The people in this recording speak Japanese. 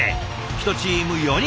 １チーム４人。